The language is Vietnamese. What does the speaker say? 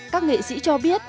các nghệ sĩ cho biết